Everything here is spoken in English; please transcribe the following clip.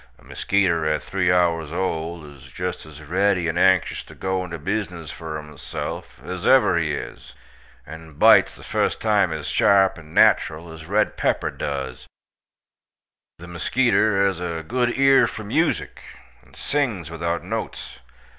A muskeeter at 3 hours old iz just az reddy and anxious to go into bizzness for himself, az ever he iz, and bites the fust time az sharp, and natral, as red pepper duz. The muskeeter haz a good ear for musik, and sings without notes.